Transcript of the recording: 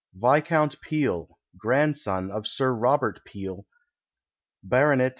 Viscount Peel, grandson of Sir Robert Peel, Bt.